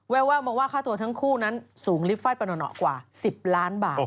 แววมาว่าค่าตัวทั้งคู่นั้นสูงลิฟต์ไฟล์ประหนอกว่า๑๐ล้านบาท